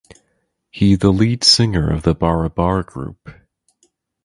He the lead singer of the barabar group.